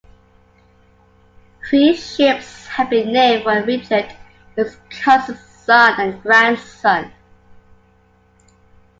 Three ships have been named for Richard, his cousins, son and grandson.